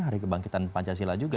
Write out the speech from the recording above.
hari kebangkitan pancasila juga